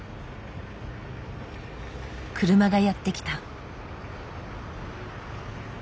車がやって来た。